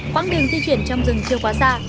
quãng đường di chuyển trong rừng chưa quá xa